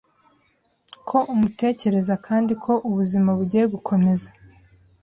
ko umutekereza kandi ko ubuzima bugiye gukomeza